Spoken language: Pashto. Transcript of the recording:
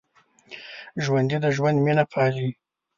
ژوندي د ژوند مینه پالي